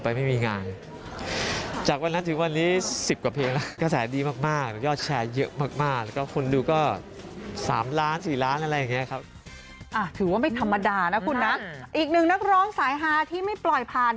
อีกหนึ่งนักร้องสายฮาที่ไม่ปล่อยผ่าน